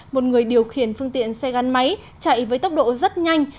một người điều khiển phương tiện xe gắn máy chạy với tốc độ rất nhanh